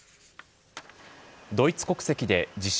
ドイツ国籍で自称